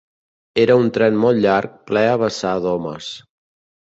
Era un tren molt llarg, ple a vessar d'homes